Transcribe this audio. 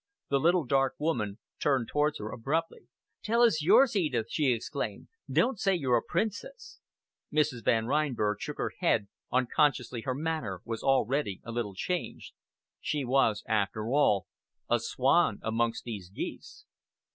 The little dark woman turned towards her abruptly. "Tell us yours, Edith!" she exclaimed. "Don't say you're a Princess." Mrs. Van Reinberg shook her head, unconsciously her manner was already a little changed. She was, after all, a swan amongst these geese!